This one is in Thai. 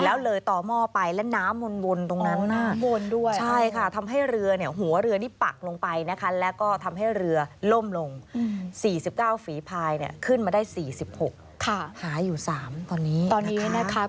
แล้วเลยต่อหม่อไปและน้ำมนตรงนั้นน่ะ